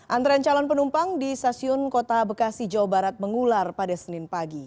antrean calon penumpang di stasiun kota bekasi jawa barat mengular pada senin pagi